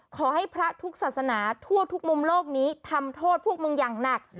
พระทุกศาสนาทั่วทุกมุมโลกนี้ทำโทษพวกมึงอย่างหนัก